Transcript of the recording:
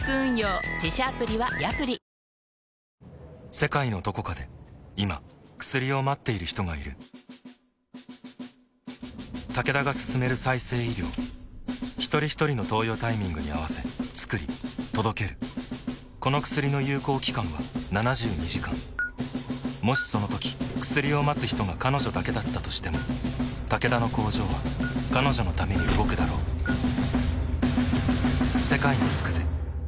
世界のどこかで今薬を待っている人がいるタケダが進める再生医療ひとりひとりの投与タイミングに合わせつくり届けるこの薬の有効期間は７２時間もしそのとき薬を待つ人が彼女だけだったとしてもタケダの工場は彼女のために動くだろう菊池）